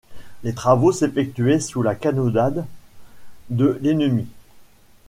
Les travaux s'effectuait sous la canonnade de l'ennemi.